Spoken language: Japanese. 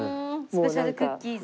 スペシャルクッキーズ。